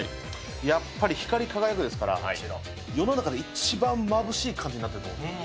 やっぱり光り輝くですから、世の中で一番まぶしい感じになってる。